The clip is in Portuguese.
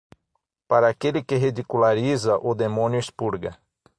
Para aquele que ridiculariza, o demônio expurga.